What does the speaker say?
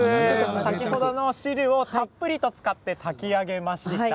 先ほどの汁をたっぷり使って炊き上げました。